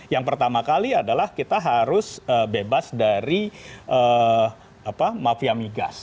yang pertama kali adalah kita harus bebas dari mafia migas